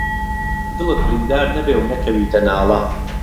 دڵت بریندار نهبێ و نهکهویته ناڵه